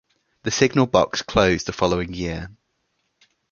The signal box closed the following year.